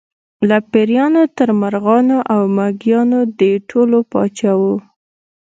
له پېریانو تر مرغانو او مېږیانو د ټولو پاچا و.